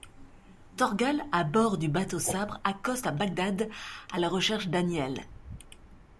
Thorgal, à bord du Bateau-Sabre, accoste à Bag Dadh, à la recherche d'Aniel.